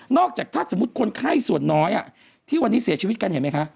อกจากถ้าสมมุติคนไข้ส่วนน้อยที่วันนี้เสียชีวิตกันเห็นไหมคะ